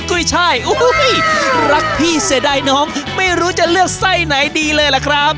อุ้ยรักพี่เสด่ายน้องไม่รู้จะเลือกไส้ไหนดีเลยล่ะครับ